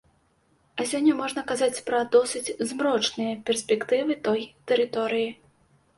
А сёння можна казаць пра досыць змрочныя перспектывы той тэрыторыі.